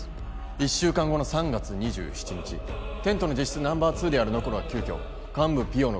１週間後の３月２７日テントの実質ナンバー２であるノコルが急きょ幹部ピヨの